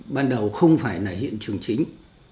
ban đầu không phải là hiện trường chính